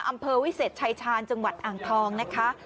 อำเภอวิเศษชายชาญจังหวัดอ่างทองนะคะ